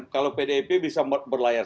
kalau pdip bisa berlayar